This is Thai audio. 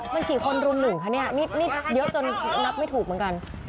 มันกี่คนรุมหนึ่งคะเนี่ยนี่เยอะจนนับไม่ถูกเหมือนกัน